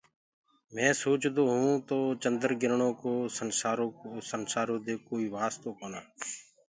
پر مينٚ سوچدو هيوُنٚ تو چنڊگرڻو ڪو دنيآ دي ڪو واستو ڪونآ۔